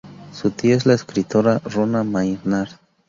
Su tía es la escritora Rona Maynard.